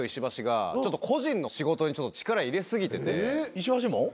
・石橋も？